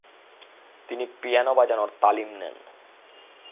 তিনি পিয়ানো বাজানোর তালিম নেন।